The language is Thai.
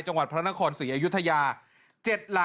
จังหวัดพระนครศรีอยุธยา